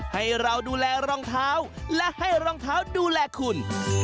ให้เราดูแลรองเท้าและให้รองเท้าดูแลคุณ